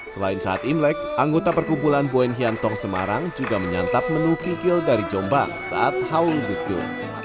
selain saat imlek anggota perkumpulan boen hyantong semarang juga menyantap menu kikil dari jombang saat haul gus dur